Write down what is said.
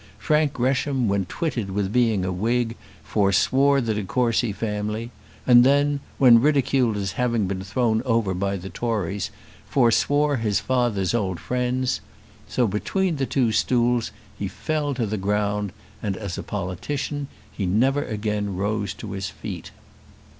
Frank Gresham, when twitted with being a Whig, foreswore the de Courcy family; and then, when ridiculed as having been thrown over by the Tories, foreswore his father's old friends. So between the two stools he fell to the ground, and, as a politician, he never again rose to his feet.